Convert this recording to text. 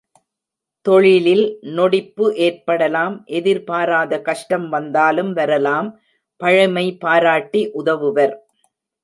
தொழிலில் நொடிப்பு ஏற்படலாம் எதிர்பாராத கஷ்டம் வந்தாலும் வரலாம் பழைமை பாராட்டி உதவுவர்.